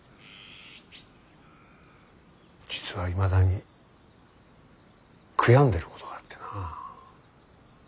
実はいまだに悔やんでることがあってな。